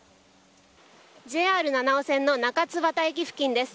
ＪＲ七尾線の中津幡駅付近です。